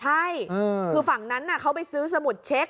ใช่คือฝั่งนั้นเขาไปซื้อสมุดเช็ค